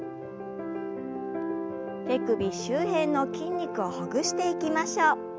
手首周辺の筋肉をほぐしていきましょう。